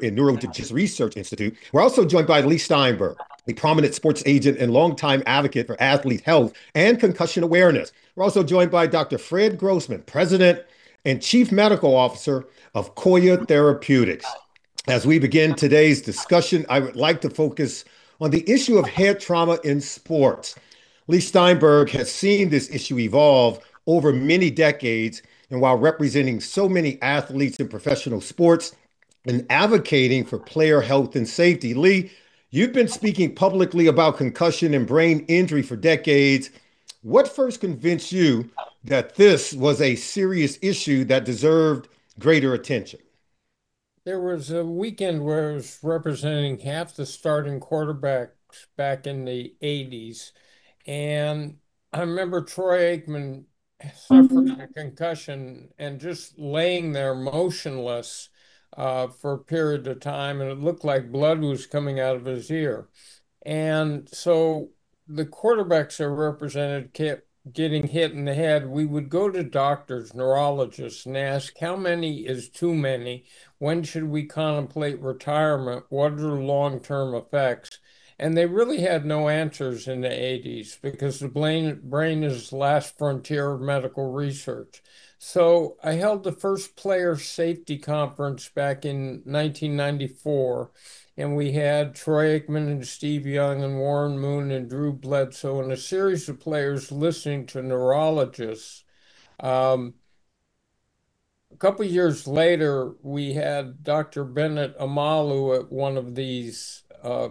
In Neurogenesis Research Institute. We're also joined by Leigh Steinberg, a prominent sports agent and longtime advocate for athlete health and concussion awareness. We're also joined by Dr. Fred Grossman, president and chief medical officer of Coya Therapeutics. As we begin today's discussion, I would like to focus on the issue of head trauma in sports. Leigh Steinberg has seen this issue evolve over many decades, and while representing so many athletes in professional sports and advocating for player health and safety. Leigh, you've been speaking publicly about concussion and brain injury for decades. What first convinced you that this was a serious issue that deserved greater attention? There was a weekend where I was representing half the starting quarterbacks back in the '80s, and I remember Troy Aikman suffering a concussion and just laying there motionless for a period of time, and it looked like blood was coming out of his ear. The quarterbacks I represented kept getting hit in the head. We would go to doctors, neurologists, and ask, "How many is too many? When should we contemplate retirement? What are the long-term effects?" They really had no answers in the '80s, because the brain is the last frontier of medical research. I held the first player safety conference back in 1994, and we had Troy Aikman and Steve Young and Warren Moon and Drew Bledsoe and a series of players listening to neurologists. A couple of years later, we had Dr. Bennet Omalu at one of these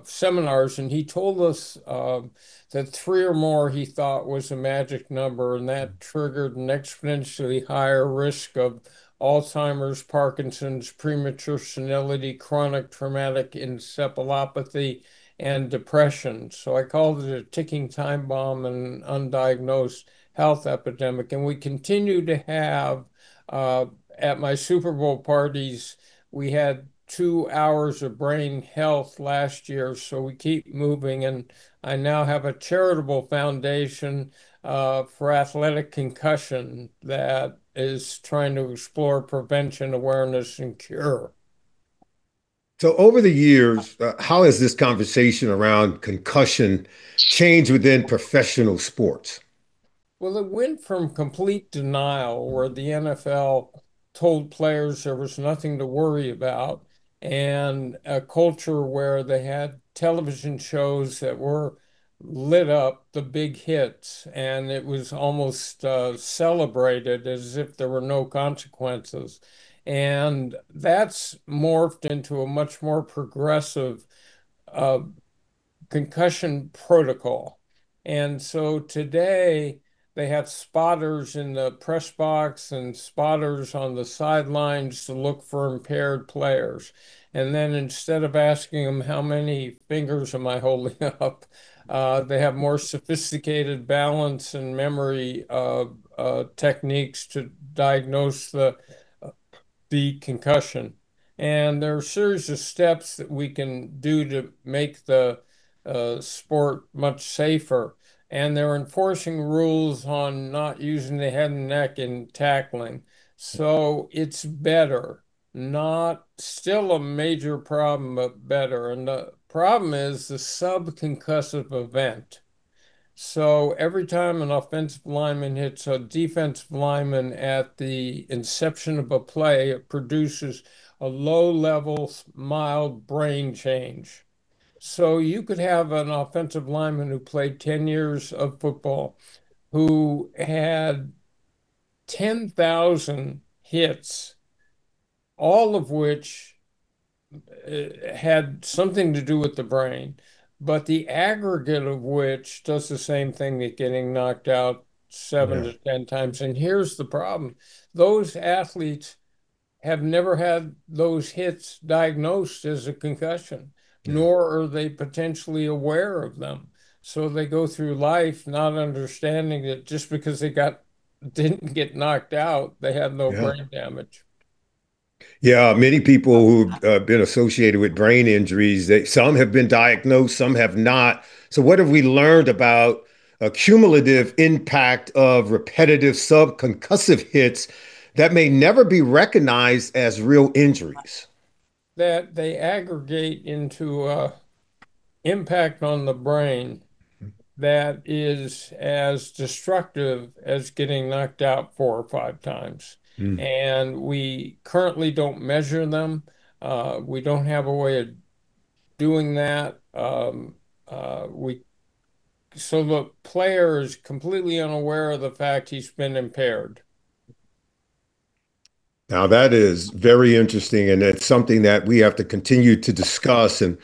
seminars, and he told us that three or more, he thought, was a magic number, and that triggered an exponentially higher risk of Alzheimer's, Parkinson's, premature senility, chronic traumatic encephalopathy, and depression. I called it a ticking time bomb and undiagnosed health epidemic. We continue to have, at my Super Bowl parties, we had two hours of brain health last year, we keep moving. I now have a charitable foundation for athletic concussion that is trying to explore prevention, awareness, and cure. Over the years, how has this conversation around concussion changed within professional sports? Well, it went from complete denial, where the NFL told players there was nothing to worry about, and a culture where they had television shows that lit up the big hits, and it was almost celebrated as if there were no consequences. That's morphed into a much more progressive concussion protocol. Today they have spotters in the press box and spotters on the sidelines to look for impaired players. Then instead of asking them, "How many fingers am I holding up?" They have more sophisticated balance and memory techniques to diagnose the concussion. There are a series of steps that we can do to make the sport much safer, and they're enforcing rules on not using the head and neck in tackling. It's better. Still a major problem, but better. The problem is the subconcussive event. Every time an offensive lineman hits a defensive lineman at the inception of a play, it produces a low-level, mild brain change. You could have an offensive lineman who played 10 years of football, who had 10,000 hits, all of which had something to do with the brain. The aggregate of which does the same thing as getting knocked out seven to- Yeah 10 times. Here's the problem. Those athletes have never had those hits diagnosed as a concussion, nor are they potentially aware of them. They go through life not understanding that just because they didn't get knocked out, they had no Yeah Brain damage. Yeah, many people who've been associated with brain injuries, some have been diagnosed, some have not. What have we learned about a cumulative impact of repetitive subconcussive hits that may never be recognized as real injuries? That they aggregate into impact on the brain that is as destructive as getting knocked out four or five times. We currently don't measure them. We don't have a way of doing that. The player is completely unaware of the fact he's been impaired. Now, that is very interesting, and it's something that we have to continue to discuss, and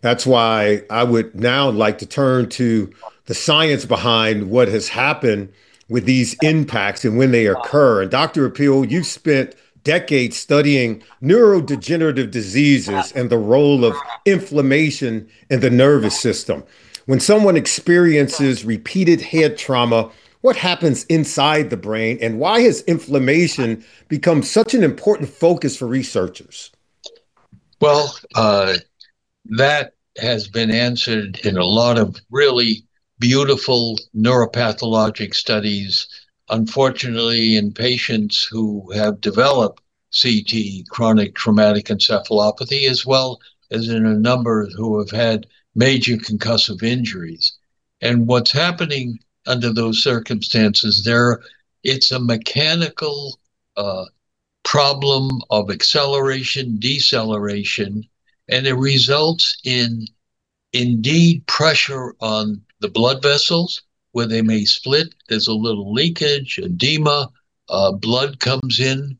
that's why I would now like to turn to the science behind what has happened with these impacts and when they occur. Dr. Appel, you've spent decades studying neurodegenerative diseases and the role of inflammation in the nervous system. When someone experiences repeated head trauma, what happens inside the brain, and why has inflammation become such an important focus for researchers? Well That has been answered in a lot of really beautiful neuropathologic studies. Unfortunately, in patients who have developed CTE, chronic traumatic encephalopathy, as well as in a number who have had major concussive injuries. What's happening under those circumstances, it's a mechanical problem of acceleration, deceleration, and it results in, indeed, pressure on the blood vessels where they may split. There's a little leakage, edema, blood comes in,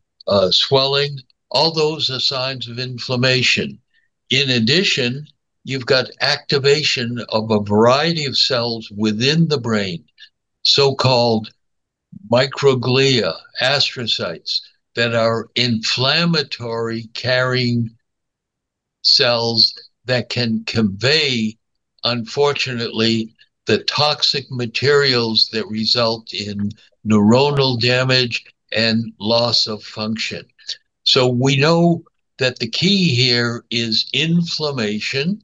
swelling. All those are signs of inflammation. In addition, you've got activation of a variety of cells within the brain, so-called microglia, astrocytes, that are inflammatory carrying cells that can convey, unfortunately, the toxic materials that result in neuronal damage and loss of function. We know that the key here is inflammation.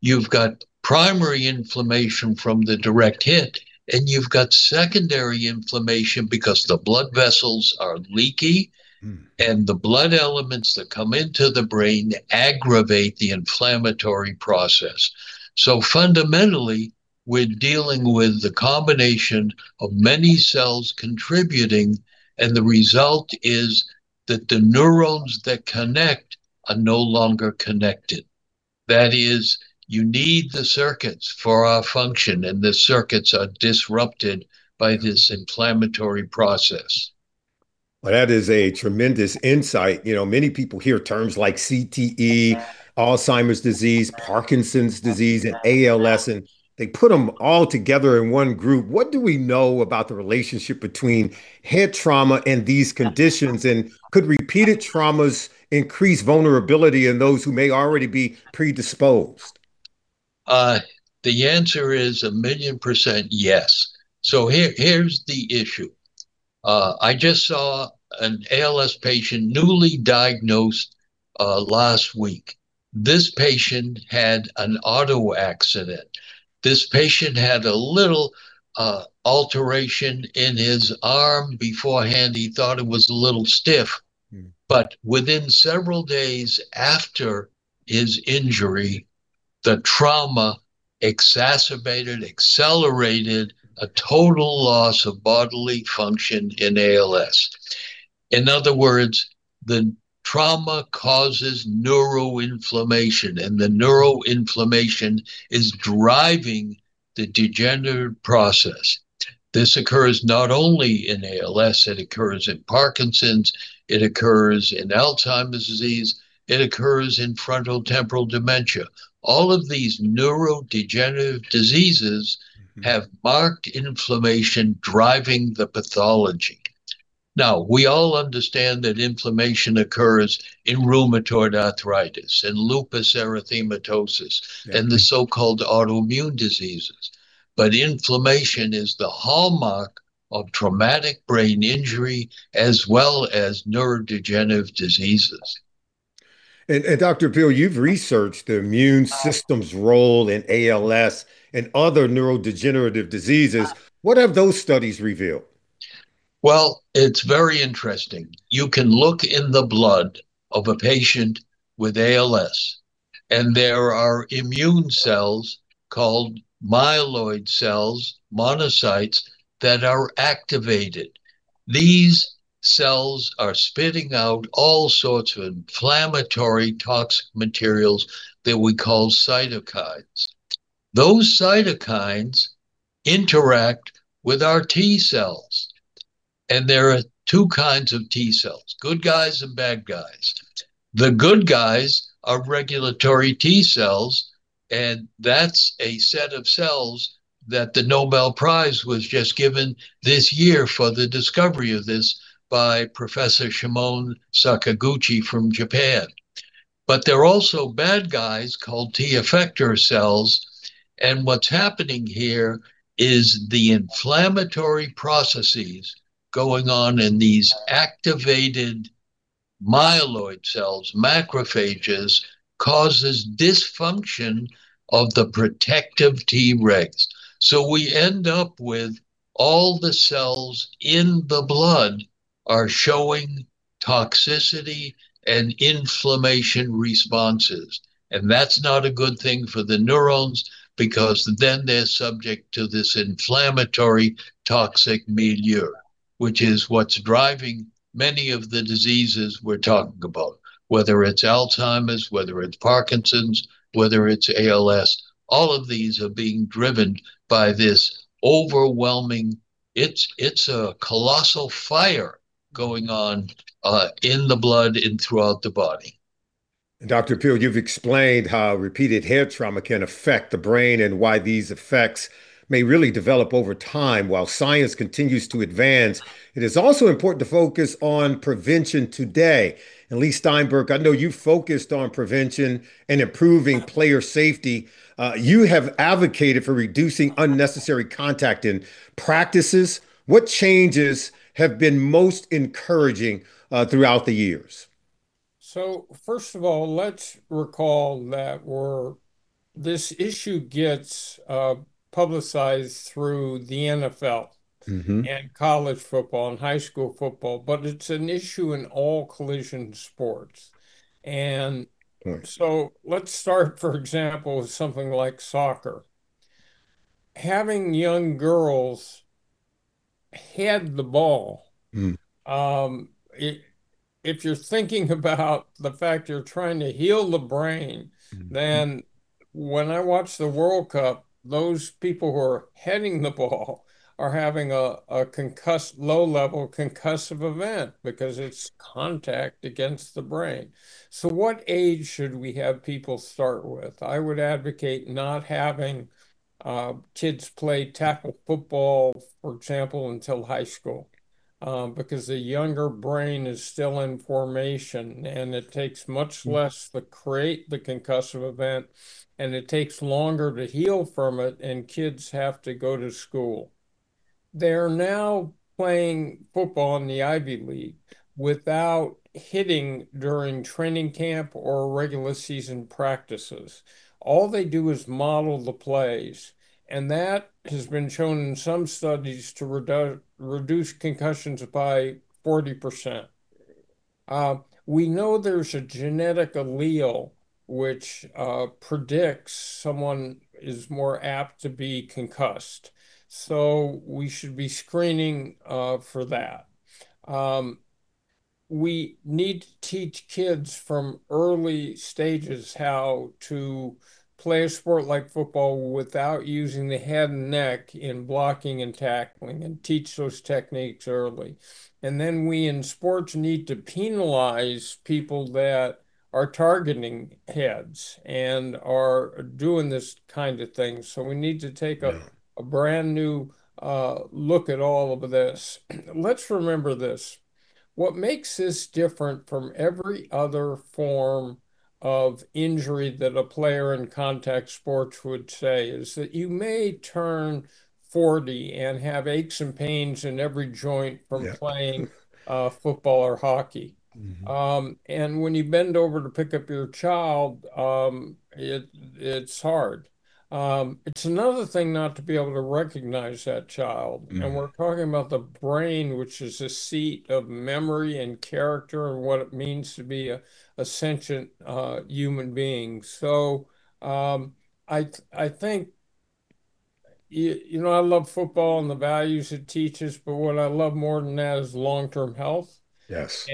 You've got primary inflammation from the direct hit, and you've got secondary inflammation because the blood vessels are leaky, and the blood elements that come into the brain aggravate the inflammatory process. Fundamentally, we're dealing with the combination of many cells contributing, and the result is that the neurons that connect are no longer connected. That is, you need the circuits for our function, and the circuits are disrupted by this inflammatory process. Well, that is a tremendous insight. Many people hear terms like CTE, Alzheimer's disease, Parkinson's disease, and ALS, and they put them all together in one group. What do we know about the relationship between head trauma and these conditions, and could repeated traumas increase vulnerability in those who may already be predisposed? The answer is a million percent yes. Here's the issue. I just saw an ALS patient newly diagnosed last week. This patient had an auto accident. This patient had a little alteration in his arm beforehand. He thought it was a little stiff. Within several days after his injury, the trauma exacerbated, accelerated a total loss of bodily function in ALS. In other words, the trauma causes neuroinflammation, and the neuroinflammation is driving the degenerative process. This occurs not only in ALS, it occurs in Parkinson's, it occurs in Alzheimer's disease, it occurs in frontotemporal dementia. All of these neurodegenerative diseases have marked inflammation driving the pathology. Now, we all understand that inflammation occurs in rheumatoid arthritis, in lupus erythematosus. Yeah The so-called autoimmune diseases. Inflammation is the hallmark of traumatic brain injury as well as neurodegenerative diseases. Dr. Appel, you've researched the immune system's role in ALS and other neurodegenerative diseases. What have those studies revealed? Well, it's very interesting. You can look in the blood of a patient with ALS, and there are immune cells called myeloid cells, monocytes, that are activated. These cells are spitting out all sorts of inflammatory toxic materials that we call cytokines. Those cytokines interact with our T cells, and there are two kinds of T cells, good guys and bad guys. The good guys are regulatory T cells, and that's a set of cells that the Nobel Prize was just given this year for the discovery of this by Professor Shimon Sakaguchi from Japan. There are also bad guys called T effector cells, and what's happening here is the inflammatory processes going on in these activated myeloid cells, macrophages, causes dysfunction of the protective Tregs. We end up with all the cells in the blood are showing toxicity and inflammation responses, and that's not a good thing for the neurons because then they're subject to this inflammatory toxic milieu. Which is what's driving many of the diseases we're talking about, whether it's Alzheimer's, whether it's Parkinson's, whether it's ALS. All of these are being driven by this overwhelming, it's a colossal fire going on in the blood and throughout the body. Dr. Appel, you've explained how repeated head trauma can affect the brain and why these effects may really develop over time. While science continues to advance, it is also important to focus on prevention today. Leigh Steinberg, I know you focused on prevention and improving player safety. You have advocated for reducing unnecessary contact in practices. What changes have been most encouraging throughout the years? First of all, let's recall that this issue gets publicized through the NFL. College football and high school football, but it's an issue in all collision sports. Right Let's start, for example, with something like soccer. Having young girls head the ball. If you're thinking about the fact you're trying to heal the brain. When I watch the World Cup, those people who are heading the ball are having a low-level concussive event because it's contact against the brain. What age should we have people start with? I would advocate not having kids play tackle football, for example, until high school. A younger brain is still in formation, and it takes much less to create the concussive event, and it takes longer to heal from it, and kids have to go to school. They're now playing football in the Ivy League without hitting during training camp or regular season practices. All they do is model the plays, that has been shown in some studies to reduce concussions by 40%. We know there's a genetic allele which predicts someone is more apt to be concussed, we should be screening for that. We need to teach kids from early stages how to play a sport like football without using the head and neck in blocking and tackling, and teach those techniques early. We in sports need to penalize people that are targeting heads and are doing this kind of thing. We need to take a. Yeah Brand new look at all of this. Let's remember this. What makes this different from every other form of injury that a player in contact sports would say is that you may turn 40 and have aches and pains in every joint from playing- Yeah Football or hockey. When you bend over to pick up your child, it's hard. It's another thing not to be able to recognize that child. We're talking about the brain, which is the seat of memory and character and what it means to be a sentient human being. I love football and the values it teaches, but what I love more than that is long-term health. Yes.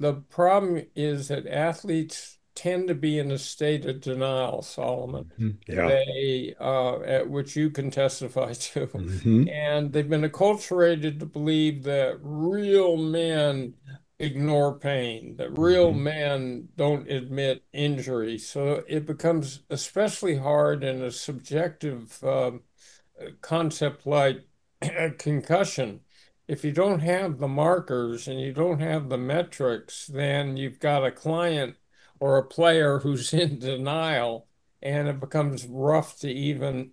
The problem is that athletes tend to be in a state of denial, Solomon. Yeah. At which you can testify, too. They've been acculturated to believe that real men ignore pain, that real men don't admit injury. It becomes especially hard in a subjective concept like concussion. If you don't have the markers and you don't have the metrics, you've got a client or a player who's in denial, and it becomes rough to even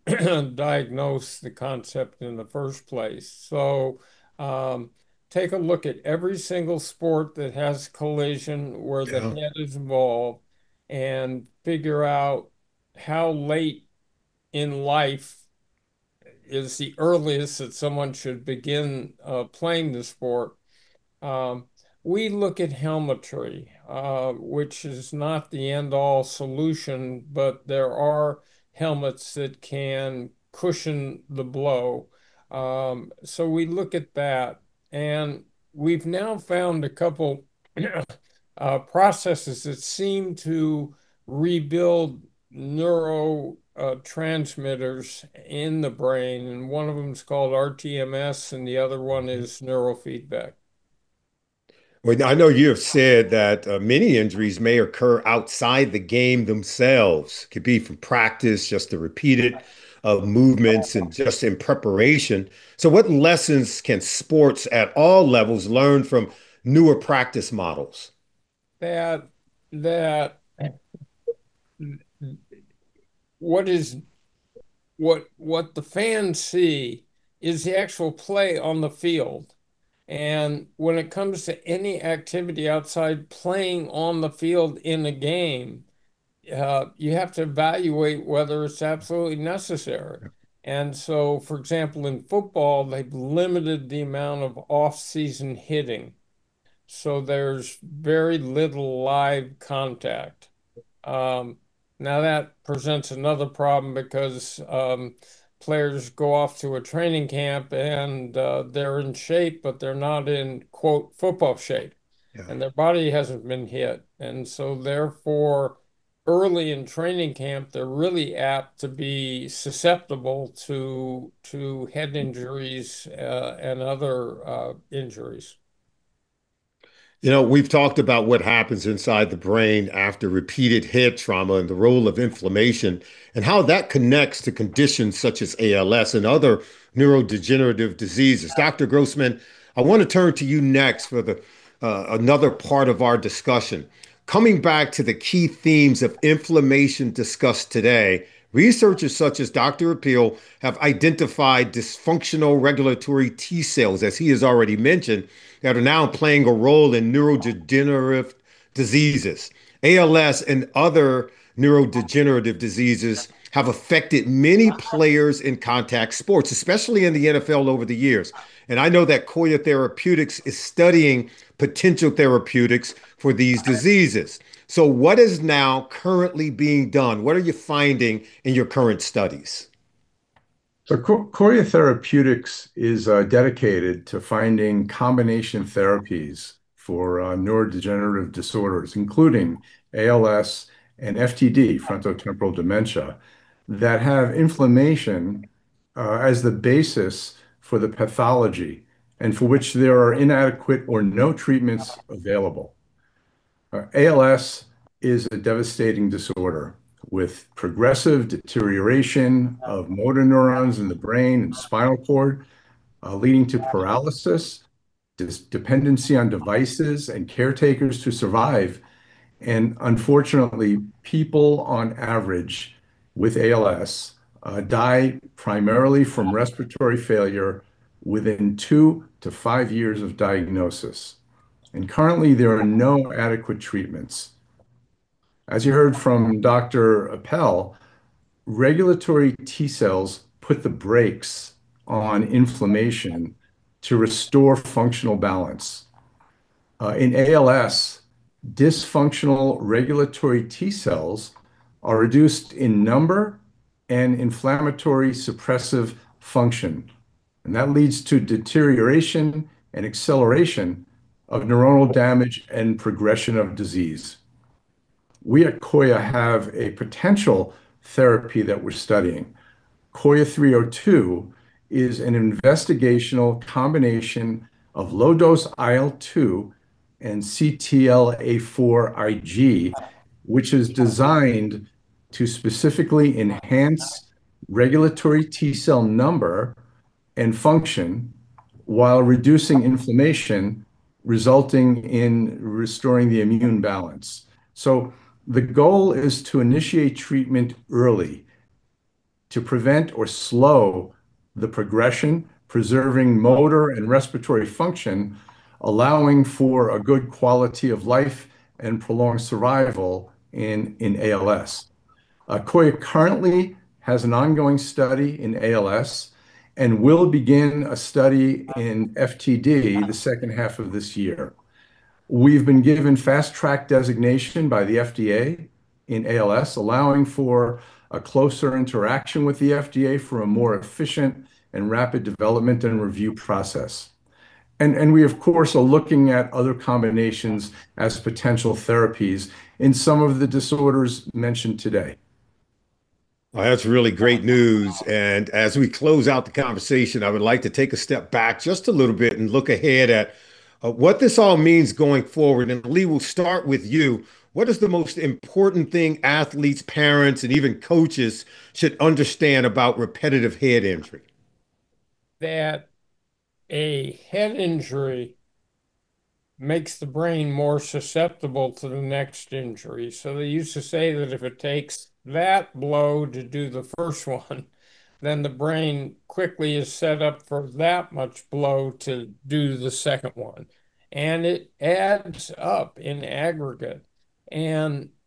diagnose the concept in the first place. Take a look at every single sport that has collision where the Yeah Head is involved, and figure out how late in life is the earliest that someone should begin playing the sport. We look at helmetry, which is not the end-all solution, but there are helmets that can cushion the blow. We look at that, and we've now found a couple processes that seem to rebuild neurotransmitters in the brain, and one of them is called rTMS, and the other one is neurofeedback. I know you have said that many injuries may occur outside the game themselves. Could be from practice, just the repeated movements and just in preparation. What lessons can sports at all levels learn from newer practice models? That what the fans see is the actual play on the field. When it comes to any activity outside playing on the field in a game, you have to evaluate whether it's absolutely necessary. For example, in football, they've limited the amount of off-season hitting, so there's very little live contact. Now, that presents another problem because players go off to a training camp, and they're in shape, but they're not in, quote, football shape. Yeah. Their body hasn't been hit. Therefore, early in training camp, they're really apt to be susceptible to head injuries, and other injuries. We've talked about what happens inside the brain after repeated head trauma and the role of inflammation, and how that connects to conditions such as ALS and other neurodegenerative diseases. Dr. Grossman, I want to turn to you next for another part of our discussion. Coming back to the key themes of inflammation discussed today, researchers such as Dr. Appel have identified dysfunctional regulatory T cells, as he has already mentioned, that are now playing a role in neurodegenerative diseases. ALS and other neurodegenerative diseases have affected many players in contact sports, especially in the NFL over the years, and I know that Coya Therapeutics is studying potential therapeutics for these diseases. What is now currently being done? What are you finding in your current studies? Coya Therapeutics is dedicated to finding combination therapies for neurodegenerative disorders, including ALS and FTD, frontotemporal dementia, that have inflammation as the basis for the pathology, and for which there are inadequate or no treatments available. ALS is a devastating disorder with progressive deterioration of motor neurons in the brain and spinal cord, leading to paralysis, dependency on devices, and caretakers to survive. Unfortunately, people on average with ALS die primarily from respiratory failure within two to five years of diagnosis, and currently there are no adequate treatments. As you heard from Dr. Appel, regulatory T cells put the brakes on inflammation to restore functional balance. In ALS, dysfunctional regulatory T cells are reduced in number and inflammatory suppressive function, that leads to deterioration and acceleration of neuronal damage and progression of disease. We at Coya have a potential therapy that we're studying. COYA 302 is an investigational combination of low-dose IL-2 and CTLA-4 Ig, which is designed to specifically enhance regulatory T cell number and function while reducing inflammation, resulting in restoring the immune balance. The goal is to initiate treatment early to prevent or slow the progression, preserving motor and respiratory function, allowing for a good quality of life and prolonged survival in ALS. Coya currently has an ongoing study in ALS and will begin a study in FTD the second half of this year. We've been given Fast Track designation by the FDA in ALS, allowing for a closer interaction with the FDA for a more efficient and rapid development and review process. We, of course, are looking at other combinations as potential therapies in some of the disorders mentioned today. Well, that's really great news. As we close out the conversation, I would like to take a step back just a little bit and look ahead at what this all means going forward. Leigh, we'll start with you. What is the most important thing athletes, parents, and even coaches should understand about repetitive head injury? That a head injury makes the brain more susceptible to the next injury. They used to say that if it takes that blow to do the first one, then the brain quickly is set up for that much blow to do the second one. It adds up in aggregate.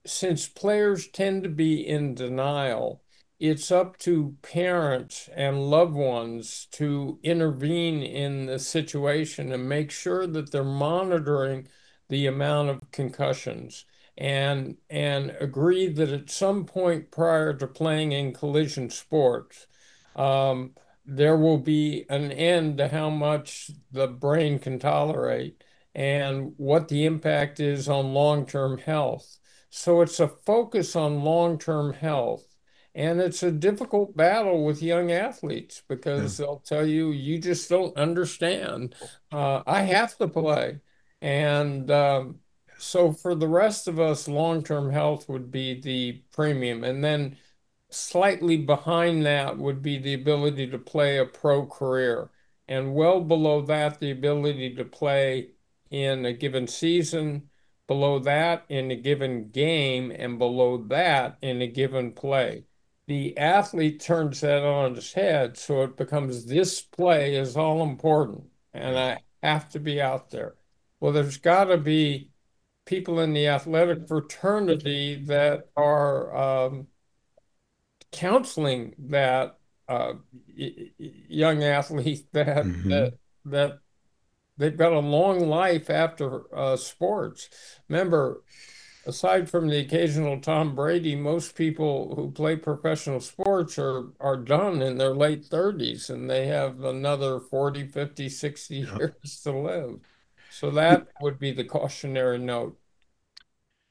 Since players tend to be in denial, it's up to parents and loved ones to intervene in the situation and make sure that they're monitoring the amount of concussions, and agree that at some point prior to playing in collision sports, there will be an end to how much the brain can tolerate and what the impact is on long-term health. It's a focus on long-term health, and it's a difficult battle with young athletes because they'll tell you, "You just don't understand. I have to play." For the rest of us, long-term health would be the premium. Slightly behind that would be the ability to play a pro career, well below that, the ability to play in a given season, below that in a given game, and below that in a given play. The athlete turns that on its head so it becomes, "This play is all important and I have to be out there." There's got to be people in the athletic fraternity that are counseling that young athlete that they've got a long life after sports. Remember, aside from the occasional Tom Brady, most people who play professional sports are done in their late 30s, and they have another 40, 50, 60 years to live. That would be the cautionary note.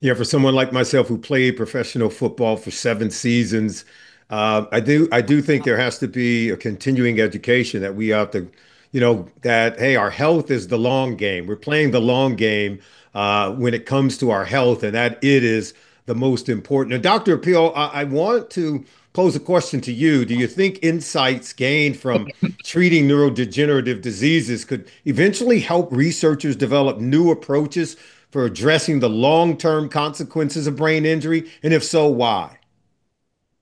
For someone like myself who played professional football for seven seasons, I do think there has to be a continuing education that, hey, our health is the long game. We're playing the long game when it comes to our health, and that it is the most important. Dr. Appel, I want to pose a question to you. Do you think insights gained from treating neurodegenerative diseases could eventually help researchers develop new approaches for addressing the long-term consequences of brain injury, and if so, why?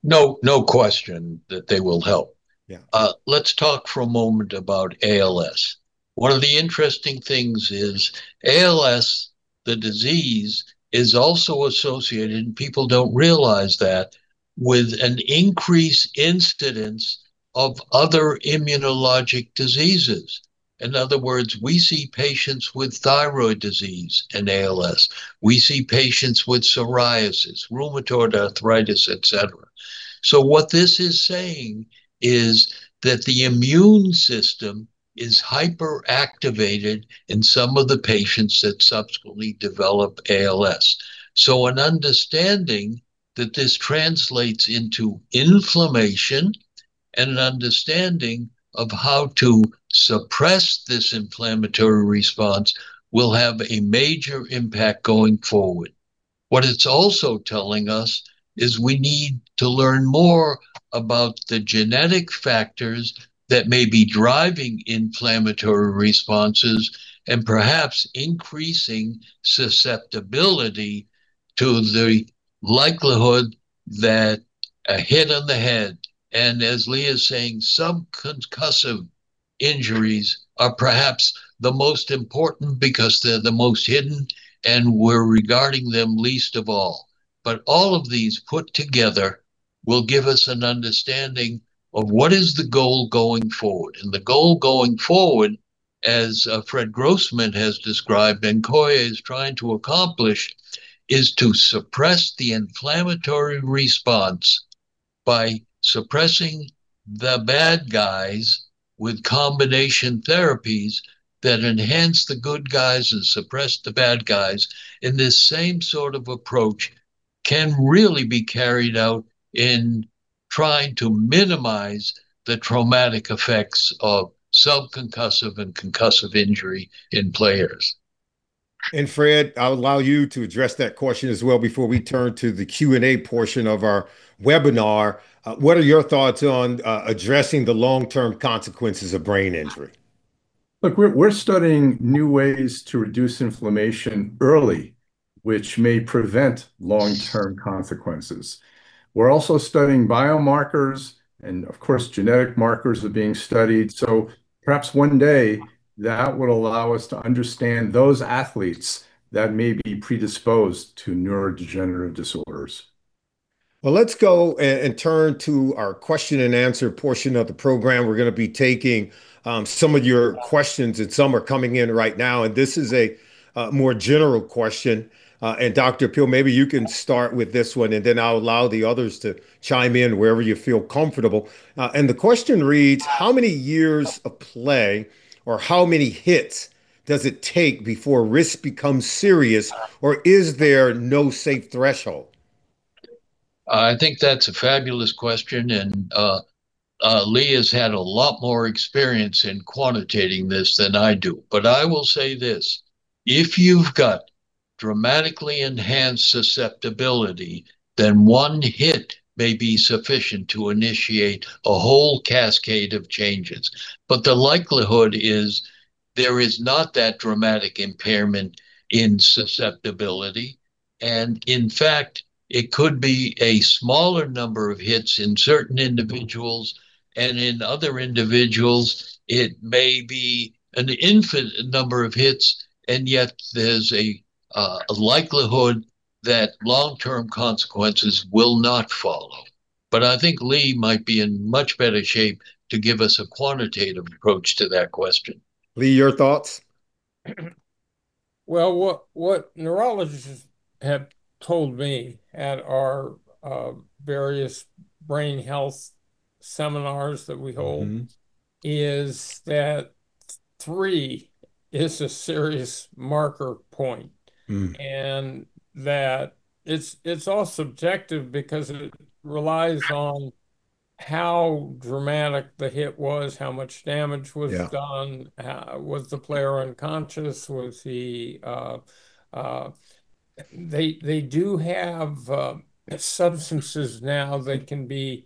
No question that they will help. Yeah. Let's talk for a moment about ALS. One of the interesting things is ALS, the disease, is also associated, and people don't realize that, with an increased incidence of other immunologic diseases. In other words, we see patients with thyroid disease and ALS. We see patients with psoriasis, rheumatoid arthritis, et cetera. What this is saying is that the immune system is hyper-activated in some of the patients that subsequently develop ALS. An understanding that this translates into inflammation, and an understanding of how to suppress this inflammatory response will have a major impact going forward. What it's also telling us is we need to learn more about the genetic factors that may be driving inflammatory responses and perhaps increasing susceptibility to the likelihood that a hit on the head, and as Leigh is saying, some concussive injuries are perhaps the most important because they're the most hidden, and we're regarding them least of all. All of these put together will give us an understanding of what is the goal going forward. The goal going forward, as Fred Grossman has described, and Coya is trying to accomplish, is to suppress the inflammatory response by suppressing the bad guys with combination therapies that enhance the good guys and suppress the bad guys. This same sort of approach can really be carried out in trying to minimize the traumatic effects of sub-concussive and concussive injury in players. Fred, I'll allow you to address that question as well before we turn to the Q&A portion of our webinar. What are your thoughts on addressing the long-term consequences of brain injury? Look, we're studying new ways to reduce inflammation early, which may prevent long-term consequences. We're also studying biomarkers, and of course, genetic markers are being studied. Perhaps one day that will allow us to understand those athletes that may be predisposed to neurodegenerative disorders. Well, let's go and turn to our question and answer portion of the program. We're going to be taking some of your questions, and some are coming in right now. This is a more general question. Dr. Appel, maybe you can start with this one, and then I'll allow the others to chime in wherever you feel comfortable. The question reads, "How many years of play, or how many hits does it take before risk becomes serious, or is there no safe threshold? I think that's a fabulous question, and Leigh has had a lot more experience in quantitating this than I do. I will say this. If you've got dramatically enhanced susceptibility, then one hit may be sufficient to initiate a whole cascade of changes. The likelihood is there is not that dramatic impairment in susceptibility, and in fact, it could be a smaller number of hits in certain individuals, and in other individuals it may be an infinite number of hits, and yet there's a likelihood that long-term consequences will not follow. I think Leigh might be in much better shape to give us a quantitative approach to that question. Leigh, your thoughts? Well, what neurologists have told me at our various brain health seminars that we hold is that three is a serious marker point. That it's all subjective because it relies on how dramatic the hit was, how much damage was done. Yeah. Was the player unconscious? They do have substances now that,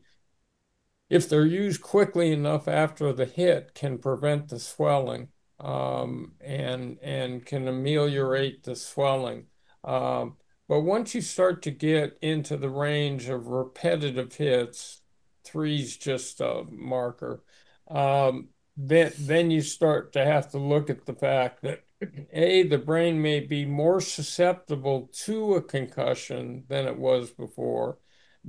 if they're used quickly enough after the hit, can prevent the swelling, and can ameliorate the swelling. Once you start to get into the range of repetitive hits, three is just a marker. You start to have to look at the fact that, A, the brain may be more susceptible to a concussion than it was before.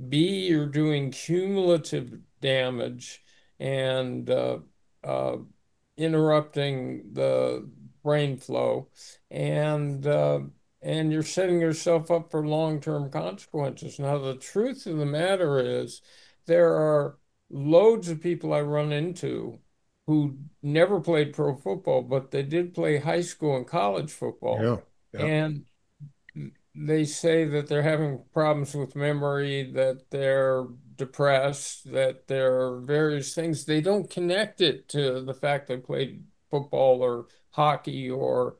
B, you're doing cumulative damage and interrupting the brain flow, and you're setting yourself up for long-term consequences. The truth of the matter is there are loads of people I run into who never played pro football, but they did play high school and college football. Yeah. They say that they're having problems with memory, that they're depressed, that there are various things. They don't connect it to the fact they played football or hockey or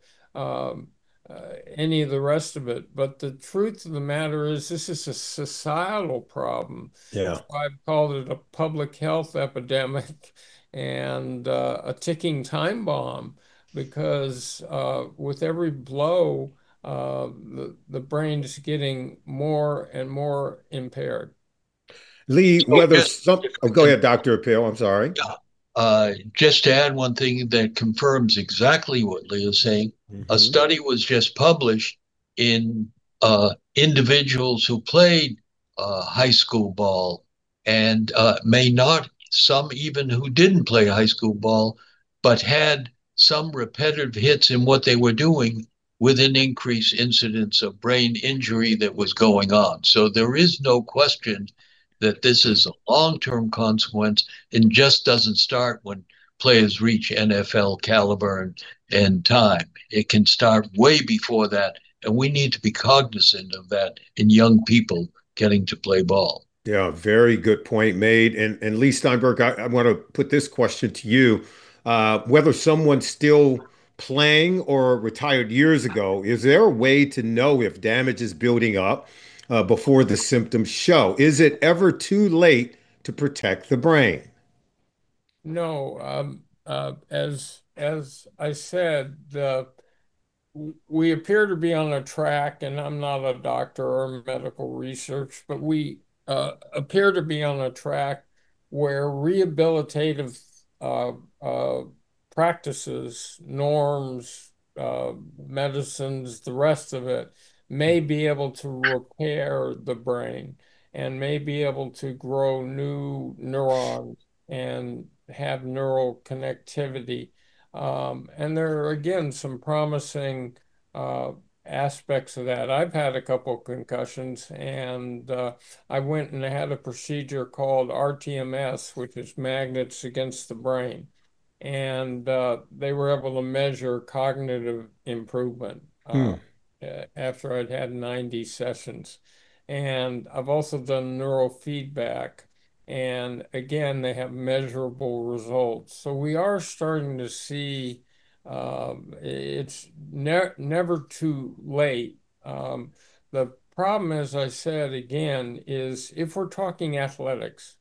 any of the rest of it. The truth of the matter is, this is a societal problem. Yeah. That's why I've called it a public health epidemic and a ticking time bomb because, with every blow, the brain's getting more and more impaired. Leigh. Well, yes. Oh, go ahead, Dr. Appel. I'm sorry. Yeah. Just to add one thing that confirms exactly what Leigh is saying. A study was just published in individuals who played high school ball and may not, some even who didn't play high school ball, but had some repetitive hits in what they were doing, with an increased incidence of brain injury that was going on. There is no question that this is a long-term consequence and just doesn't start when players reach NFL caliber and time. It can start way before that, and we need to be cognizant of that in young people getting to play ball. Yeah, very good point made. Leigh Steinberg, I want to put this question to you. Whether someone's still playing or retired years ago, is there a way to know if damage is building up before the symptoms show? Is it ever too late to protect the brain? No. As I said, we appear to be on a track, I'm not a doctor or in medical research, but we appear to be on a track where rehabilitative practices, norms, medicines, the rest of it, may be able to repair the brain and may be able to grow new neurons and have neural connectivity. There are, again, some promising aspects of that. I've had a couple concussions, and I went and had a procedure called rTMS, which is magnets against the brain, and they were able to measure cognitive improvement. After I'd had 90 sessions. I've also done neurofeedback, and again, they have measurable results. We are starting to see it's never too late. The problem, as I said, again, is if we're talking athletics,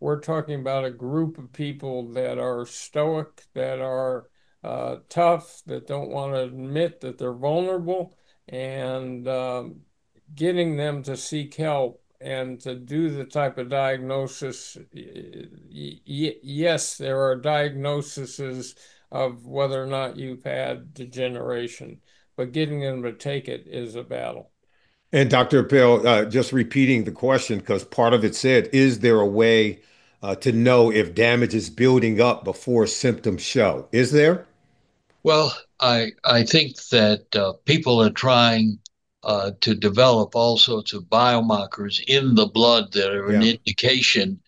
we're talking about a group of people that are stoic, that are tough, that don't want to admit that they're vulnerable, and getting them to seek help and to do the type of diagnosis, yes, there are diagnoses of whether or not you've had degeneration, but getting them to take it is a battle. Dr. Appel, just repeating the question because part of it said, is there a way to know if damage is building up before symptoms show? Is there? I think that people are trying to develop all sorts of biomarkers in the blood that are- Yeah An indication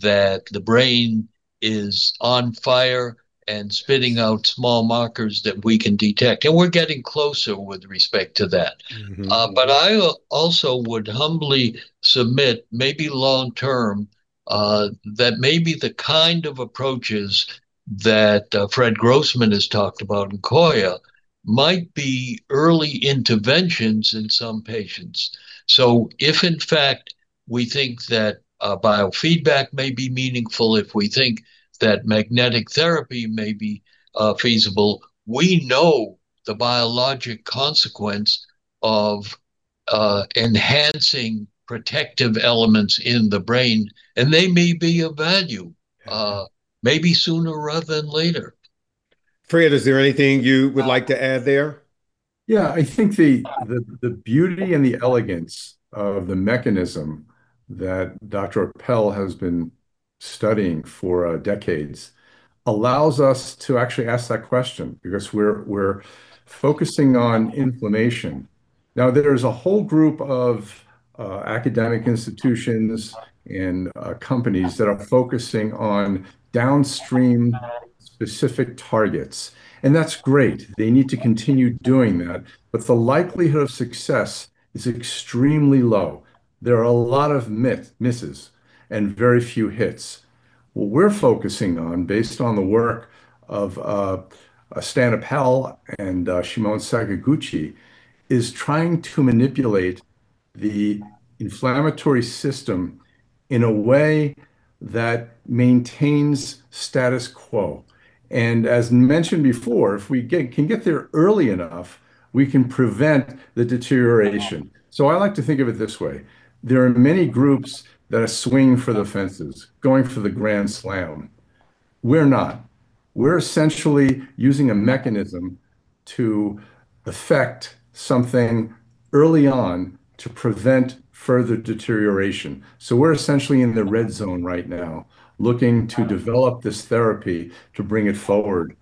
that the brain is on fire and spitting out small markers that we can detect, and we're getting closer with respect to that. I also would humbly submit, maybe long-term, that maybe the kind of approaches that Fred Grossman has talked about, and Coya, might be early interventions in some patients. If, in fact, we think that biofeedback may be meaningful, if we think that magnetic therapy may be feasible, we know the biologic consequence of enhancing protective elements in the brain, and they may be of value, maybe sooner rather than later. Fred, is there anything you would like to add there? Yeah, I think the beauty and the elegance of the mechanism that Dr. Appel has been studying for decades allows us to actually ask that question because we're focusing on inflammation. There's a whole group of academic institutions and companies that are focusing on downstream specific targets, and that's great. They need to continue doing that. The likelihood of success is extremely low. There are a lot of misses and very few hits. What we're focusing on, based on the work of Stan Appel and Shimon Sakaguchi, is trying to manipulate the inflammatory system in a way that maintains status quo. As mentioned before, if we can get there early enough, we can prevent the deterioration. I like to think of it this way. There are many groups that are swinging for the fences, going for the grand slam. We're not. We're essentially using a mechanism to affect something early on to prevent further deterioration. We're essentially in the red zone right now, looking to develop this therapy to bring it forward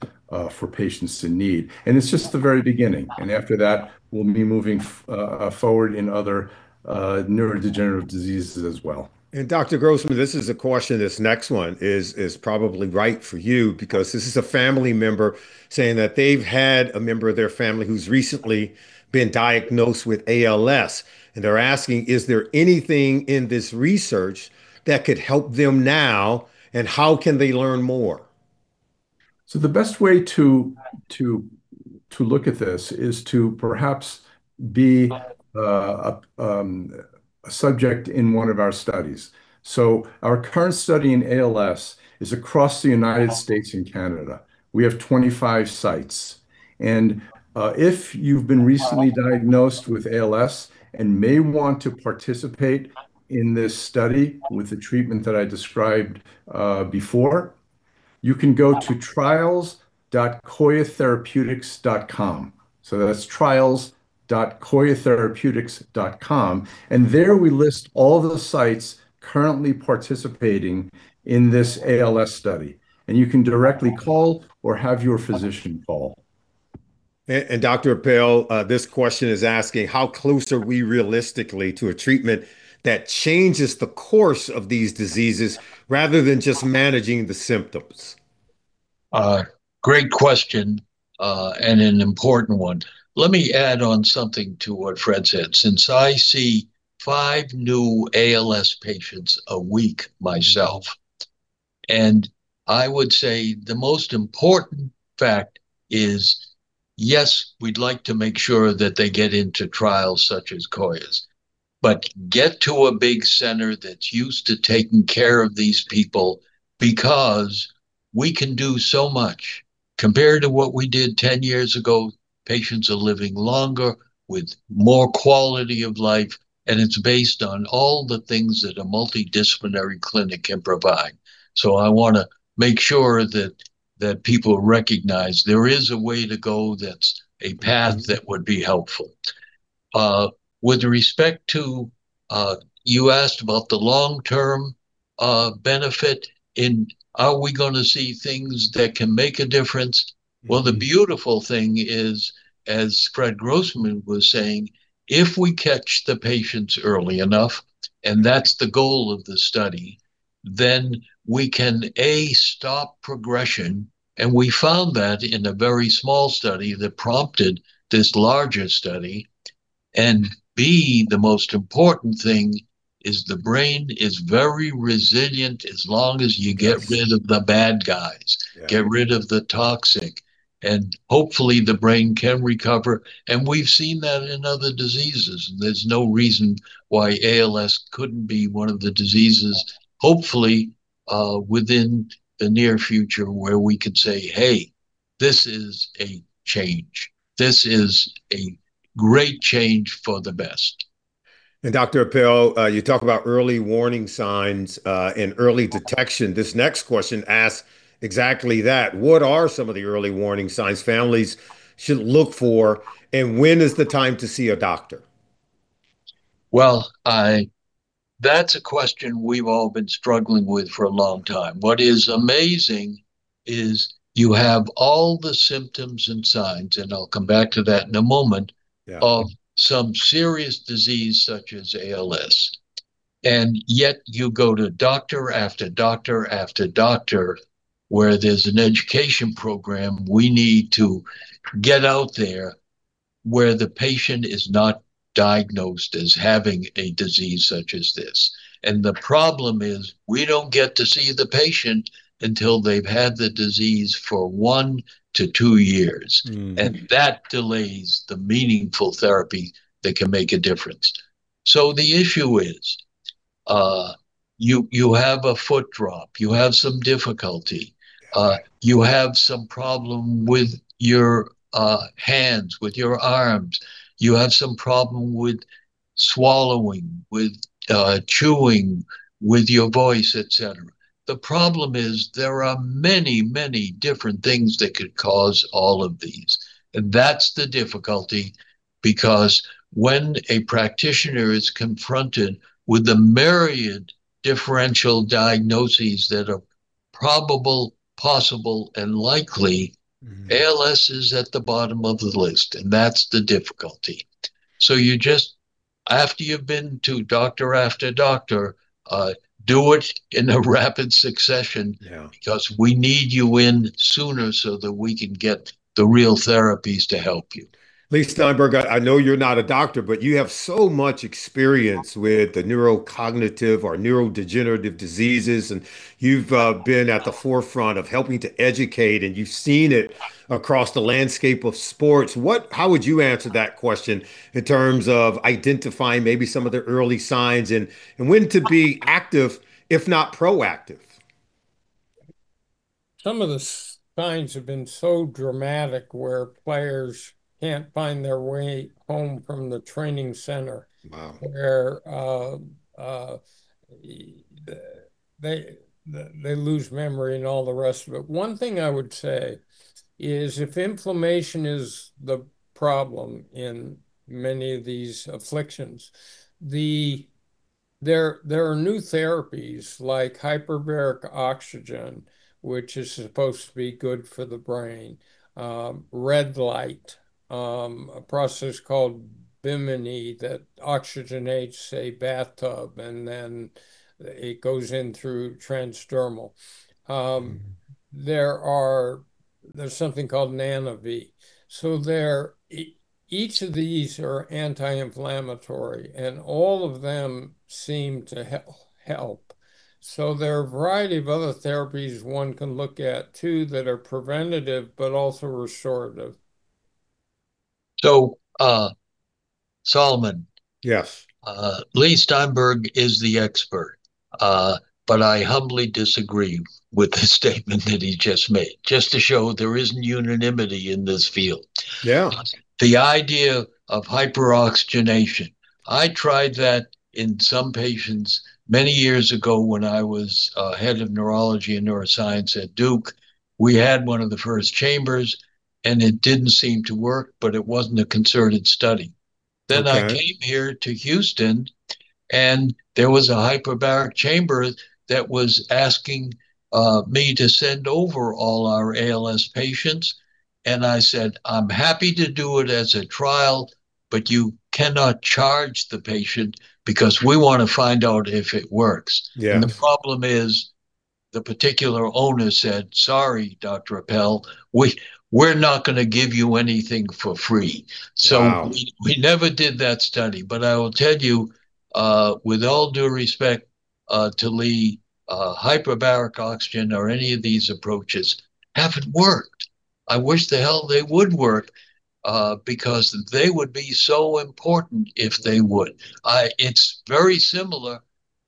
for patients in need. It's just the very beginning, and after that, we'll be moving forward in other neurodegenerative diseases as well. Dr. Grossman, this is a question, this next one is probably right for you, because this is a family member saying that they've had a member of their family who's recently been diagnosed with ALS, and they're asking, is there anything in this research that could help them now, and how can they learn more? The best way to look at this is to perhaps be a subject in one of our studies. Our current study in ALS is across the U.S. and Canada. We have 25 sites. If you've been recently diagnosed with ALS and may want to participate in this study with the treatment that I described before, you can go to trials.coyatherapeutics.com. That's trials.coyatherapeutics.com, there we list all the sites currently participating in this ALS study. You can directly call or have your physician call. Dr. Appel, this question is asking, how close are we realistically to a treatment that changes the course of these diseases rather than just managing the symptoms? Great question, and an important one. Let me add on something to what Fred said, since I see five new ALS patients a week myself, I would say the most important fact is, yes, we'd like to make sure that they get into trials such as Coya's, but get to a big center that's used to taking care of these people because we can do so much. Compared to what we did 10 years ago, patients are living longer with more quality of life, and it's based on all the things that a multidisciplinary clinic can provide. I want to make sure that people recognize there is a way to go that's a path that would be helpful. With respect to, you asked about the long-term benefit, are we going to see things that can make a difference? Well, the beautiful thing is, as Fred Grossman was saying, if we catch the patients early enough, that's the goal of the study, we can, A, stop progression, we found that in a very small study that prompted this larger study, B, the most important thing is the brain is very resilient as long as you get rid of the bad guys. Yeah. Get rid of the toxic, hopefully the brain can recover. We've seen that in other diseases. There's no reason why ALS couldn't be one of the diseases, hopefully within the near future, where we could say, "Hey, this is a change. This is a great change for the best. Dr. Appel, you talk about early warning signs and early detection. This next question asks exactly that. What are some of the early warning signs families should look for, and when is the time to see a doctor? Well, that's a question we've all been struggling with for a long time. What is amazing is you have all the symptoms and signs, I'll come back to that in a moment. Yeah Of some serious disease such as ALS, yet you go to doctor after doctor after doctor. Where there's an education program, we need to get out there where the patient is not diagnosed as having a disease such as this. The problem is, we don't get to see the patient until they've had the disease for one to two years. That delays the meaningful therapy that can make a difference. The issue is, you have a foot drop, you have some difficulty. Yeah You have some problem with your hands, with your arms. You have some problem with swallowing, with chewing, with your voice, et cetera. The problem is there are many, many different things that could cause all of these, and that's the difficulty because when a practitioner is confronted with the myriad differential diagnoses that are probable, possible, and likely. ALS is at the bottom of the list, and that's the difficulty. After you've been to doctor after doctor, do it in a rapid succession. Yeah Because we need you in sooner so that we can get the real therapies to help you. Leigh Steinberg, I know you're not a doctor, but you have so much experience with the neurocognitive or neurodegenerative diseases, and you've been at the forefront of helping to educate, and you've seen it across the landscape of sports. How would you answer that question in terms of identifying maybe some of the early signs and when to be active, if not proactive? Some of the signs have been so dramatic, where players can't find their way home from the training center. Wow. They lose memory and all the rest of it. One thing I would say is if inflammation is the problem in many of these afflictions, there are new therapies like hyperbaric oxygen, which is supposed to be good for the brain. Red light, a process called Bimini, that oxygenates a bathtub, and then it goes in through transdermal. There's something called NanoVi. Each of these are anti-inflammatory, and all of them seem to help. There are a variety of other therapies one can look at, too, that are preventative but also restorative. Solomon. Yes. Leigh Steinberg is the expert, but I humbly disagree with the statement that he just made, just to show there isn't unanimity in this field. Yeah. The idea of hyperoxygenation, I tried that in some patients many years ago when I was head of neurology and neuroscience at Duke. We had one of the first chambers, it didn't seem to work, it wasn't a concerted study. Okay. I came here to Houston, there was a hyperbaric chamber that was asking me to send over all our ALS patients, I said, "I'm happy to do it as a trial, but you cannot charge the patient because we want to find out if it works. Yeah. The problem is the particular owner said, "Sorry, Dr. Appel. We're not going to give you anything for free. Wow. We never did that study. I will tell you, with all due respect to Leigh, hyperbaric oxygen or any of these approaches haven't worked. I wish the hell they would work, because they would be so important if they would. It's very similar.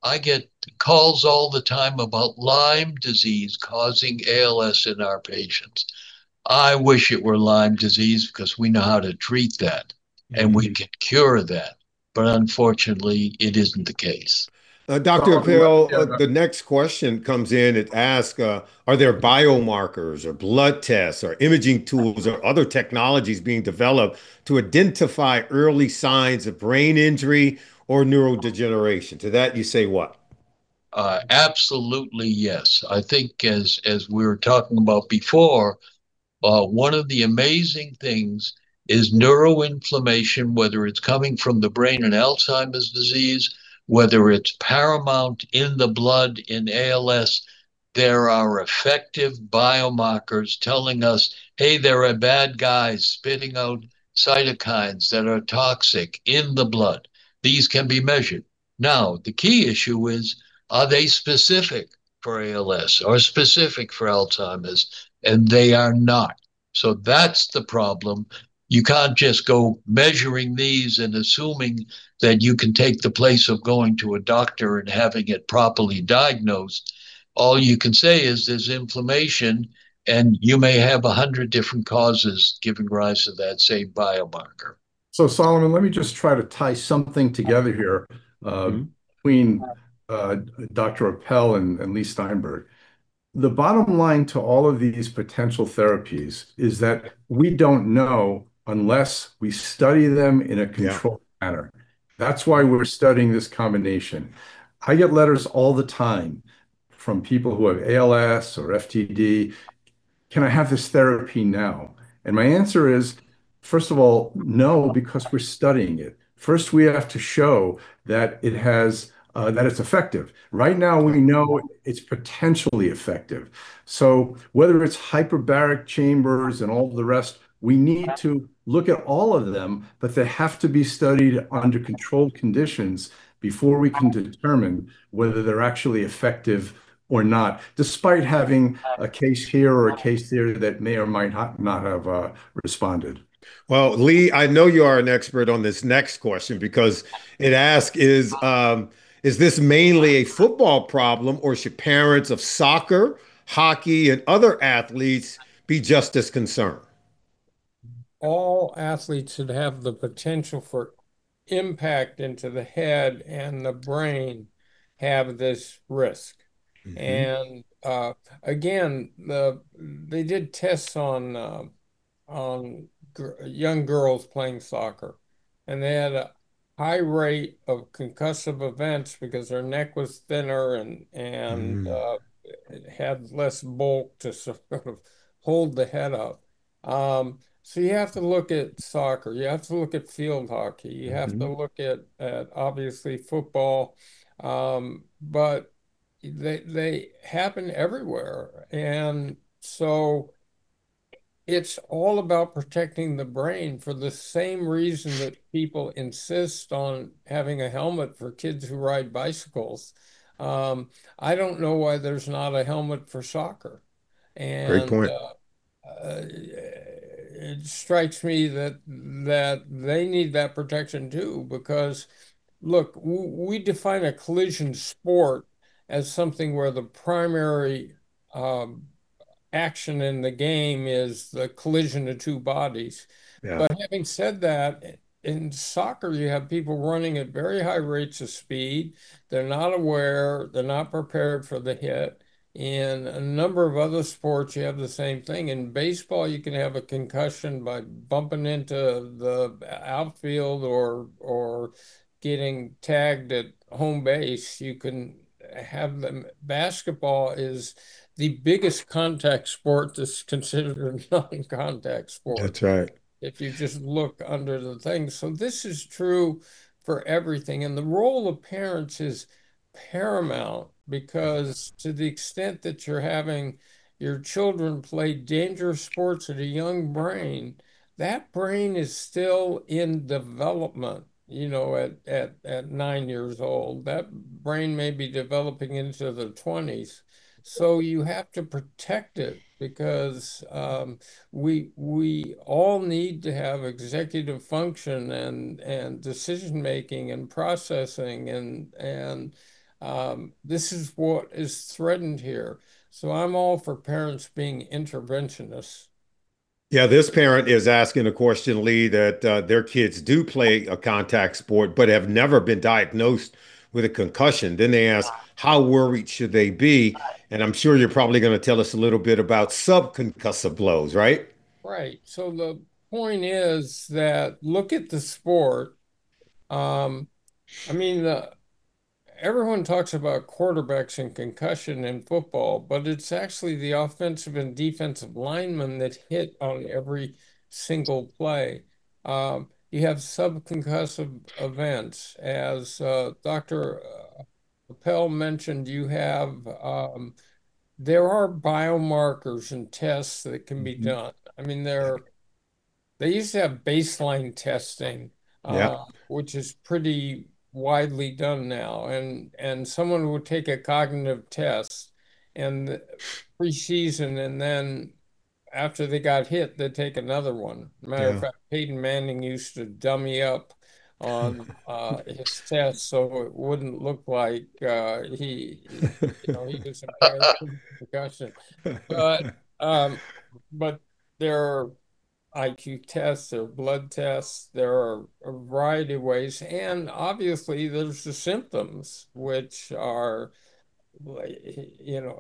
I get calls all the time about Lyme disease causing ALS in our patients. I wish it were Lyme disease because we know how to treat that, and we can cure that, unfortunately, it isn't the case. Dr. Appel We won't get. The next question comes in. It asks, are there biomarkers or blood tests or imaging tools or other technologies being developed to identify early signs of brain injury or neurodegeneration? To that you say what? Absolutely yes. I think as we were talking about before, one of the amazing things is neuroinflammation, whether it's coming from the brain in Alzheimer's disease, whether it's paramount in the blood in ALS, there are effective biomarkers telling us, "Hey, there are bad guys spitting out cytokines that are toxic in the blood." These can be measured. The key issue is, are they specific for ALS or specific for Alzheimer's? They are not. That's the problem. You can't just go measuring these and assuming that you can take the place of going to a doctor and having it properly diagnosed. All you can say is there's inflammation, and you may have 100 different causes giving rise to that same biomarker. Solomon, let me just try to tie something together here- between Dr. Appel and Leigh Steinberg. The bottom line to all of these potential therapies is that we don't know unless we study them in a controlled- Yeah Manner. That's why we're studying this combination. I get letters all the time from people who have ALS or FTD. "Can I have this therapy now?" My answer is, first of all, no, because we're studying it. First, we have to show that it's effective. Right now, we know it's potentially effective. Whether it's hyperbaric chambers and all the rest, we need to look at all of them, but they have to be studied under controlled conditions before we can determine whether they're actually effective or not, despite having a case here or a case there that may or might not have responded. Well, Leigh, I know you are an expert on this next question because it asks, is this mainly a football problem, or should parents of soccer, hockey, and other athletes be just as concerned? All athletes who have the potential for impact into the head and the brain have this risk. Again, they did tests on young girls playing soccer, and they had a high rate of concussive events because their neck was thinner had less bulk to sort of hold the head up. you have to look at soccer, you have to look at field hockey. You have to look at, obviously, football. They happen everywhere. It's all about protecting the brain for the same reason that people insist on having a helmet for kids who ride bicycles. I don't know why there's not a helmet for soccer. Great point It strikes me that they need that protection, too, because look, we define a collision sport as something where the primary action in the game is the collision of two bodies. Yeah. Having said that, in soccer, you have people running at very high rates of speed. They're not aware, they're not prepared for the hit. In a number of other sports, you have the same thing. In baseball, you can have a concussion by bumping into the outfield or getting tagged at home base. Basketball is the biggest contact sport that's considered a non-contact sport. That's right. If you just look under the thing. This is true for everything. The role of parents is paramount because to the extent that you're having your children play dangerous sports at a young brain, that brain is still in development at nine years old. That brain may be developing into the 20s. You have to protect it because we all need to have executive function and decision-making and processing and this is what is threatened here. I'm all for parents being interventionists. Yeah. This parent is asking a question, Leigh, that their kids do play a contact sport but have never been diagnosed with a concussion. They ask how worried should they be? I'm sure you're probably going to tell us a little bit about sub-concussive blows, right? Right. The point is that look at the sport. Everyone talks about quarterbacks and concussion in football, but it's actually the offensive and defensive linemen that hit on every single play. You have sub-concussive events. As Dr. Appel mentioned, there are biomarkers and tests that can be done. They used to have baseline testing. Yeah Which is pretty widely done now. Someone would take a cognitive test in pre-season and then after they got hit, they'd take another one. Yeah. Matter of fact, Peyton Manning used to dummy up on his tests, so it wouldn't look like he just had a concussion. There are IQ tests, there are blood tests, there are a variety of ways. Obviously, there's the symptoms, which are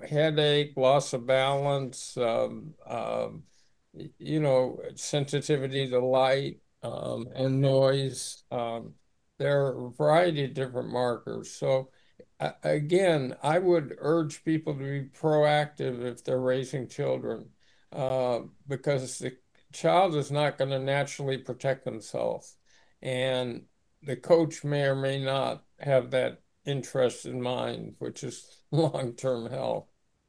headache, loss of balance, sensitivity to light and noise. There are a variety of different markers. Again, I would urge people to be proactive if they're raising children. Because the child is not going to naturally protect themselves, and the coach may or may not have that interest in mind, which is long-term health.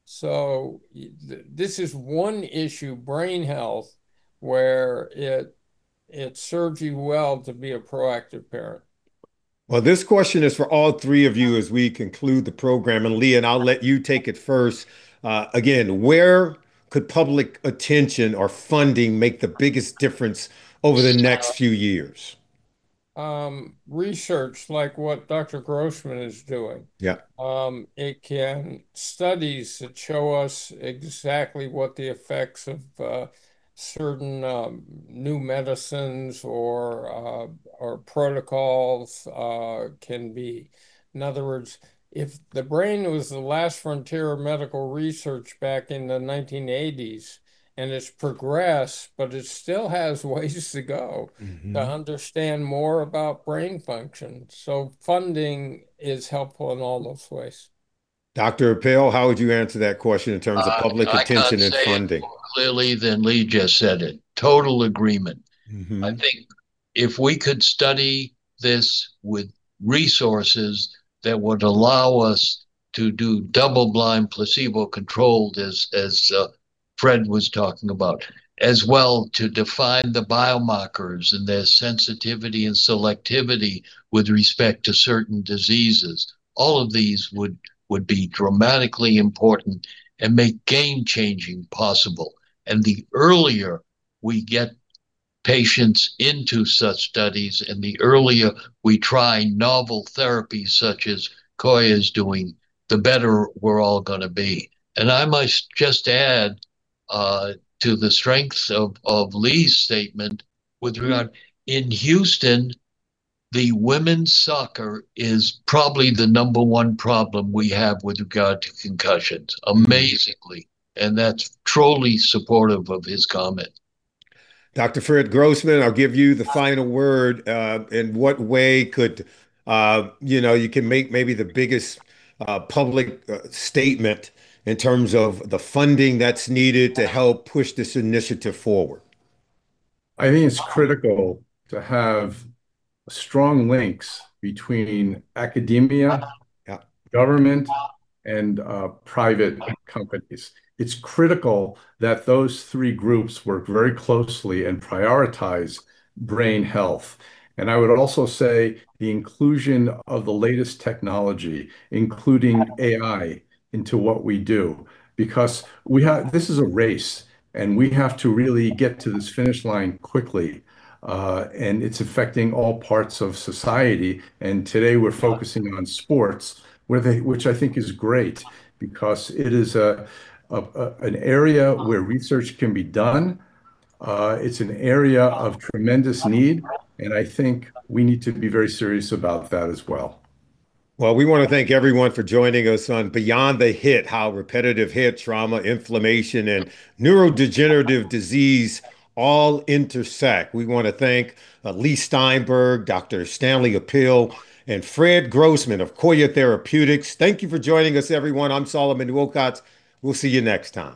This is one issue, brain health, where it serves you well to be a proactive parent. Well, this question is for all three of you as we conclude the program. Leigh, I'll let you take it first. Again, where could public attention or funding make the biggest difference over the next few years? Research, like what Dr. Grossman is doing. Yeah. Studies that show us exactly what the effects of certain new medicines or protocols can be. In other words, if the brain was the last frontier of medical research back in the 1980s, and it's progressed, but it still has ways to go. To understand more about brain function. Funding is helpful in all those ways. Dr. Appel, how would you answer that question in terms of public attention and funding? I can't say it more clearly than Leigh just said it. Total agreement. I think if we could study this with resources that would allow us to do double-blind placebo controlled, as Fred was talking about, as well to define the biomarkers and their sensitivity and selectivity with respect to certain diseases. All of these would be dramatically important and make game-changing possible. The earlier we get patients into such studies, the earlier we try novel therapies such as Coya's doing, the better we're all going to be. I must just add, to the strengths of Leigh's statement with regard, in Houston, the women's soccer is probably the number one problem we have with regard to concussions. Amazingly. That's truly supportive of his comment. Dr. Fred Grossman, I'll give you the final word. In what way could you make maybe the biggest public statement in terms of the funding that's needed to help push this initiative forward? I think it's critical to have strong links between academia, government, and private companies. It's critical that those three groups work very closely and prioritize brain health. I would also say the inclusion of the latest technology, including AI, into what we do. This is a race, and we have to really get to this finish line quickly. It's affecting all parts of society. Today we're focusing on sports, which I think is great because it is an area where research can be done. It's an area of tremendous need, and I think we need to be very serious about that as well. Well, we want to thank everyone for joining us on "Beyond the Hit: How Repetitive Head Trauma, Inflammation, and Neurodegenerative Disease All Intersect." We want to thank Leigh Steinberg, Dr. Stanley Appel, and Fred Grossman of Coya Therapeutics. Thank you for joining us, everyone. I'm Solomon Wilcots. We'll see you next time